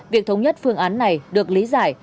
việc thống nhất phương án này được lý giải